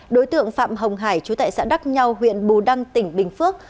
đối tượng phạm hồng hải chú tại xã đắc nhau huyện bù đăng tỉnh bình phước